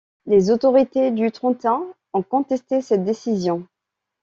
Les autorités du Trentin ont contesté cette décision.